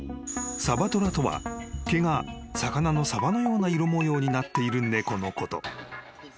［サバトラとは毛が魚のサバのような色模様になっている猫のこと］